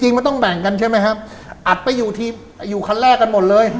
มันต้องแบ่งกันใช่ไหมครับอัดไปอยู่ทีมอยู่คันแรกกันหมดเลย